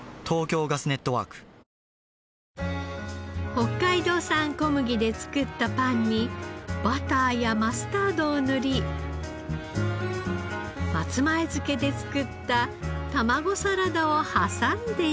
北海道産小麦で作ったパンにバターやマスタードを塗り松前漬けで作った卵サラダを挟んでいけば。